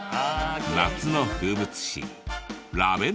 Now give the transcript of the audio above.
夏の風物詩ラベンダー。